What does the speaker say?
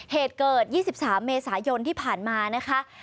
เหตุเกิด๒๓เมษายนที่ผ่านมานะคะ